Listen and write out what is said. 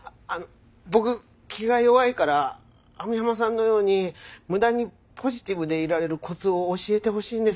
僕気が弱いから網浜さんのように無駄にポジティブでいられるコツを教えてほしいんです。